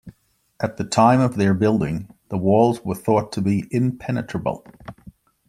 At the time of their building, the walls were thought to be impenetrable.